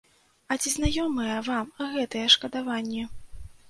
А ці знаёмыя вам гэтыя шкадаванні?